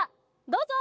どうぞ。